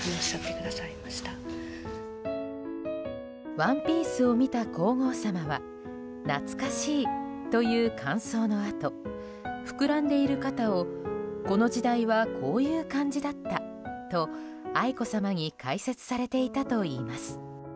ワンピースを見た皇后さまは懐かしいという感想のあと膨らんでいる肩をこの時代はこういう感じだったと愛子さまに解説されていたといいます。